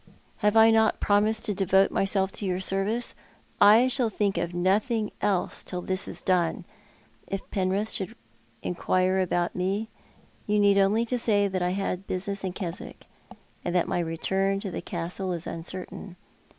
Have I uot promised to devote myself to your service '? I shall thiuk of nothing else till this is done. If Penrith should inquire about me you need only say that I had business at Keswick, aud that my return to the Castle is uncertain.